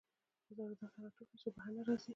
واردات هغه توکي دي چې له بهر نه راځي.